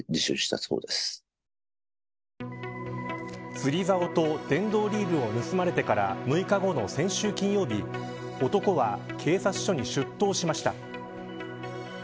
釣りざおと電動リールを盗まれてから６日後の先週金曜日男は警察署に出頭しました。